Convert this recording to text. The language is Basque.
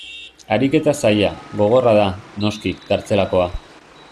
Ariketa zaila, gogorra da, noski, kartzelakoa.